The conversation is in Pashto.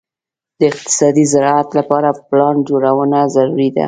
د اقتصادي زراعت لپاره پلان جوړونه ضروري ده.